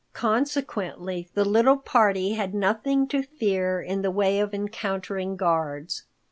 Consequently the little party had nothing to fear in the way of encountering guards.